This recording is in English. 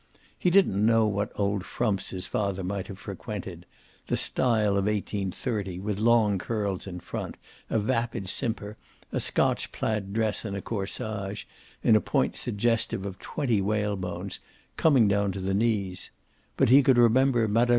He didn't know what old frumps his father might have frequented the style of 1830, with long curls in front, a vapid simper, a Scotch plaid dress and a corsage, in a point suggestive of twenty whalebones, coming down to the knees but he could remember Mme.